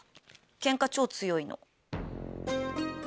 ケンカ超強いの。